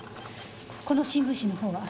この新聞紙のほうは？